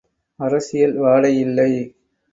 அரசியல் வாடை இல்லை.